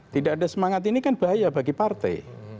tidak ada semangat ini kan bahaya bagi partai